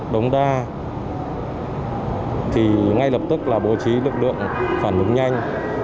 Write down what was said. đống đa thì ngay lập tức là bố trí lực lượng phản ứng nhanh